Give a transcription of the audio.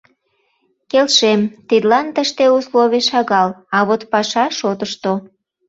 — Келшем, тидлан тыште условий шагал, а вот паша шотышто...